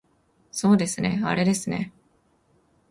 そうですねあれですね